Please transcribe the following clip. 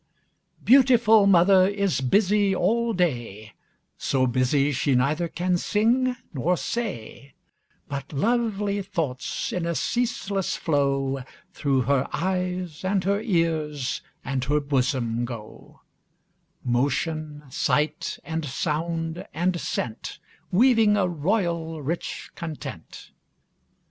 _ Beautiful mother is busy all day, So busy she neither can sing nor say; But lovely thoughts, in a ceaseless flow, Through her eyes, and her ears, and her bosom go Motion, sight, and sound, and scent, Weaving a royal, rich content.